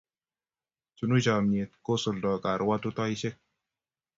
Chunu chomyet, kosuldoi karwatutoisiek